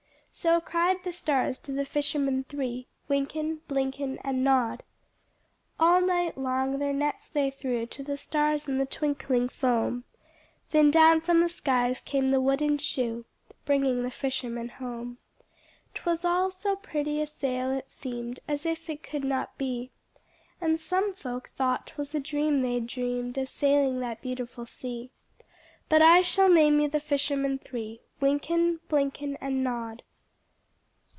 So cried the stars to the fishermen three, Wynken, Blynken, And Nod. All night long their nets they threw To the stars in the twinkling foam,— Then down from the skies came the wooden shoe, Bringing the fishermen home: 'Twas all so pretty a sail, it seemed As if it could not be; And some folk thought 'twas a dream they'd dreamed Of sailing that beautiful sea; But I shall name you the fishermen three: Wynken, Blynken, And Nod.